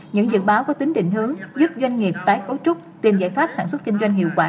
những dự báo có tính định hướng giúp doanh nghiệp tái cấu trúc tìm giải pháp sản xuất kinh doanh hiệu quả